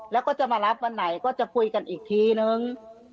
แล้วก็จะมารับวันไหนก็จะคุยกันอีกทีนึง